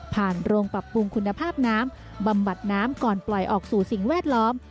โรงปรับปรุงคุณภาพน้ำบำบัดน้ำก่อนปล่อยออกสู่สิ่งแวดล้อม